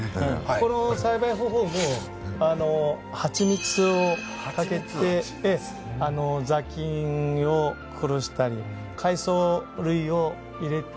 この栽培方法もハチミツをかけて雑菌を殺したり海藻類を入れて。